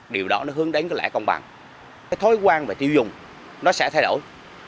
điều đó nó hướng đến cái lẽ công bằng cái thói quen và tiêu dùng nó sẽ thay đổi